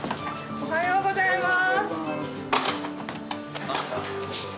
おはようございまーす。